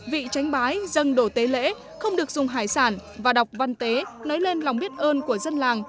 vị tránh bái dân đổ tế lễ không được dùng hải sản và đọc văn tế nới lên lòng biết ơn của dân làng